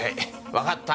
わかった。